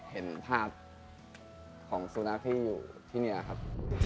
เห็นภาพของสุนัขที่อยู่ที่นี่ครับ